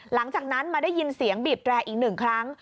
หลังจากนั้นมาได้ยินเสียงบีบแร่อีกหนึ่งครั้ง